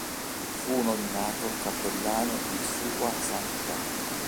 Fu nominato cappellano di Sua Santità.